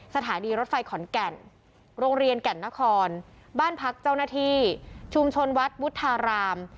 สถานีรถไฟขอนแก่นโรงเรียนแก่นนครบ้านพักเจ้าหน้าที่ชุมชนวัดวุฒาราม